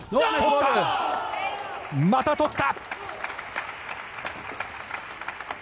またとった！